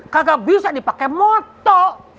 kagak bisa dipake moto